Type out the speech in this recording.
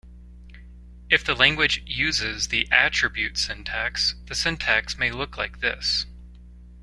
If the language uses the attribute syntax the syntax may look like this.